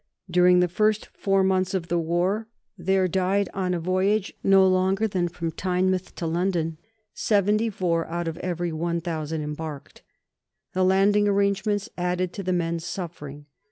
During the first four months of the war, there died on a voyage, no longer than from Tynemouth to London, 74 out of every 1000 embarked. The landing arrangements added to the men's sufferings.